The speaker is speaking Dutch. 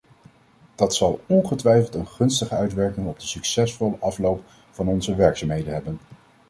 Dat zal ongetwijfeld een gunstige uitwerking op de succesvolle afloop van onze werkzaamheden hebben.